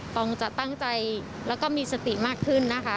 ปองจะตั้งใจแล้วก็มีสติมากขึ้นนะคะ